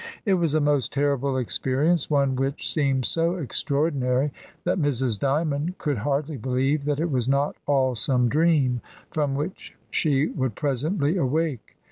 It was a most terrible experience, one whidi seemed so extraordinary that Mrs. Dymond could hardly believe that it was not all some dream from which she would presently awake.